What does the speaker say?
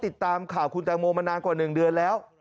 ติดตามข่าวคุณแตงโมมานานกว่า๑เดือนแล้ว